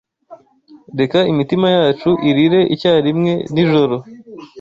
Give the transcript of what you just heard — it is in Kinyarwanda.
Reka imitima yacu irire icyarimwe nijoro